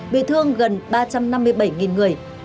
bị thương gần ba trăm năm mươi bảy người